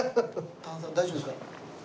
炭酸大丈夫ですか？